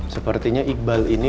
sepertinya iqbal ini